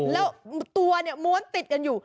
แล้วตัวม้วนติดกันอยู่